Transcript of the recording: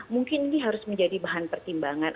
mungkin ini harus menjadi bahan pertimbangan